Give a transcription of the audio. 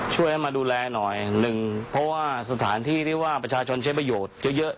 ช่วยให้มาดูแลหน่อยหนึ่งเพราะว่าสถานที่ที่ว่าประชาชนใช้ประโยชน์เยอะ